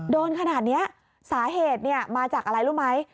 โดนขนาดนี้สาเหตุมาจากอะไรรู้ไหม